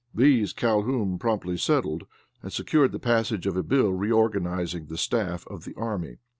These Calhoun promptly settled and secured the passage of a bill reorganizing the staff of the army.